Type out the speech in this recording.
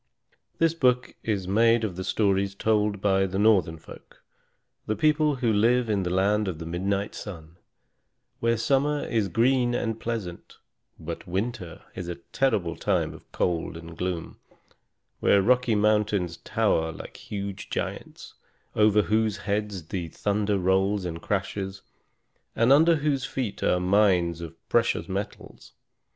This book is made of the stories told by the Northern folk, the people who live in the land of the midnight sun, where summer is green and pleasant, but winter is a terrible time of cold and gloom; where rocky mountains tower like huge giants, over whose heads the thunder rolls and crashes, and under whose feet are mines of precious metals.